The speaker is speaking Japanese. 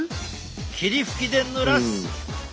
霧吹きでぬらす。